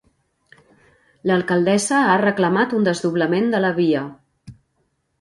L'alcaldessa ha reclamat un desdoblament de la via.